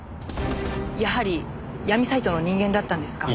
やはり闇サイトの人間だったんですか？